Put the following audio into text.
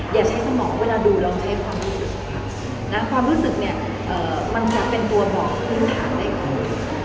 อย่าใช้สมองเวลาดูลองใช้ความรู้สึกนะความรู้สึกเนี่ยมันจะเป็นตัวบอกพื้นฐานได้ก่อน